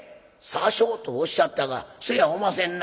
『些少』とおっしゃったがせやおませんな。